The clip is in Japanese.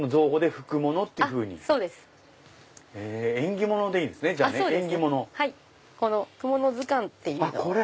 『ふくもの図鑑』っていうのを。